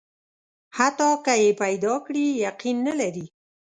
حتی که یې پیدا کړي، یقین نه لري.